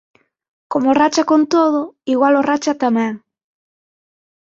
¡Como racha con todo, igual o racha tamén!